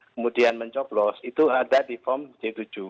kemudian mencoblos itu ada di form c tujuh